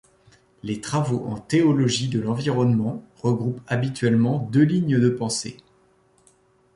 Les travaux en théologie de l'environnement regroupent habituellement deux lignes de pensée.